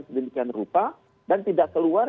sedemikian rupa dan tidak keluar